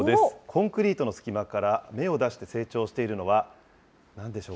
コンクリートの隙間から芽を出して成長しているのは、なんでしょ